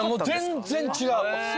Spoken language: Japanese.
全然違う。